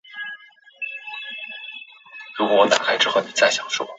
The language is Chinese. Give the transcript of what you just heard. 披风男穿着有蝙蝠能力特殊强化服的变身。